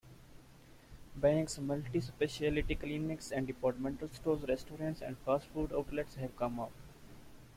Banks, multi-specialty clinics, and departmental stores, restaurants and fast food outlets have come up.